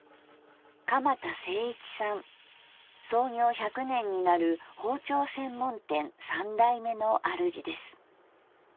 創業１００年になる包丁専門店三代目の主です。